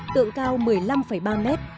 tượng cao một mươi năm ba mét